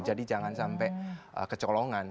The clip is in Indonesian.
jadi jangan sampai kecolongan